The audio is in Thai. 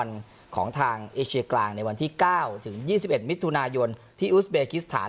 ของทางเอเชียกลางในวันที่๙ถึง๒๑มิถุนายนที่อุสเบกิสถาน